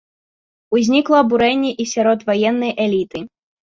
Узнікла абурэнне і сярод ваеннай эліты.